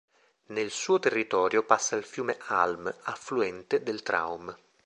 Nel suo territorio passa il fiume Alm, affluente del Traun.